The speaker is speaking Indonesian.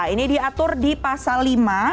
ini diatur di pasal lima